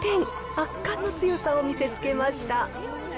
圧巻の強さを見せつけました。